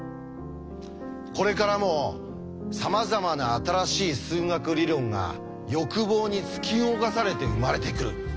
これからもさまざまな新しい数学理論が欲望に突き動かされて生まれてくる。